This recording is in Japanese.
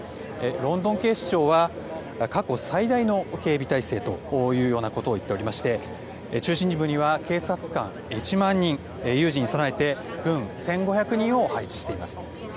ロンドン警視庁は過去最大の警備体制と言っていて中心部には警察官１万人有事に備えて軍１５００人を配置しています。